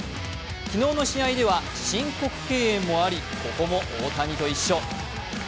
昨日の試合では申告敬遠もありここも大谷と一緒。